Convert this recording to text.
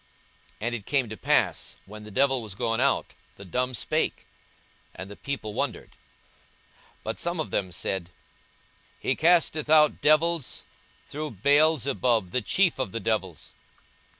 And it came to pass, when the devil was gone out, the dumb spake; and the people wondered. 42:011:015 But some of them said, He casteth out devils through Beelzebub the chief of the devils.